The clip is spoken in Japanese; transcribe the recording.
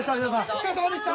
お疲れさまでした！